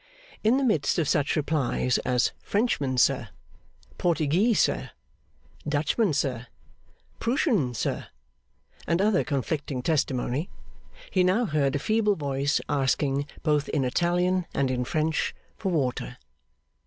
In the midst of such replies as 'Frenchman, sir,' 'Porteghee, sir,' 'Dutchman, sir,' 'Prooshan, sir,' and other conflicting testimony, he now heard a feeble voice asking, both in Italian and in French, for water.